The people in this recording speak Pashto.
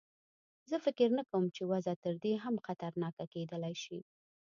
زه فکر نه کوم چې وضع تر دې هم خطرناکه کېدلای شي.